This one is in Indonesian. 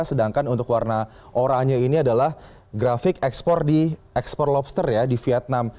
sedangkan untuk warna oranya ini adalah grafik ekspor di ekspor lobster ya di vietnam